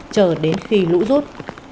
chờ đến khi lũ rút